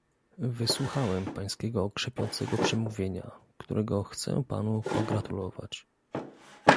Wysłuchałem pańskiego krzepiącego przemówienia, którego chcę panu pogratulować